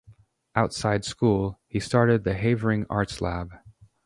Outside school, he started the Havering Arts Lab.